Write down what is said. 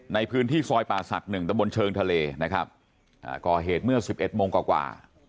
ในพื้นที่ซอยป่าสัก๑ตำบลเชิงทะเลก่อเหตุเมื่อ๑๑โมงก็กว่า